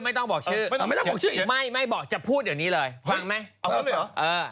ไม่ต้องบอกชื่ออีกไม่ไม่บอกจะพูดเดี๋ยวนี้เลยฟังไหมเอาเลยหรอเออ